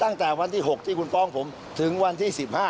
ตั้งแต่วันที่๖ที่คุณฟ้องผมถึงวันที่๑๕